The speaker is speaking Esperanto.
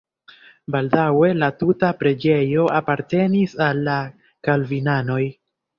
Baldaŭe la tuta preĝejo apartenis al la kalvinanoj.